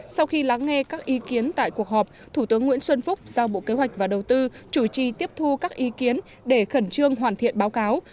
sau khi lắng nghe các ý kiến tại cuộc họp thủ tướng nguyễn xuân phúc giao bộ kế hoạch và đầu tư chủ trì tiếp thu các ý kiến để khẩn trương hoàn thiện báo cáo